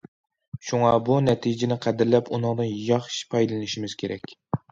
شۇڭا، بۇ نەتىجىنى قەدىرلەپ، ئۇنىڭدىن ياخشى پايدىلىنىشىمىز كېرەك.